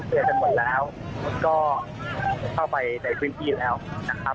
ก็เข้าไปในพื้นที่แล้วนะครับ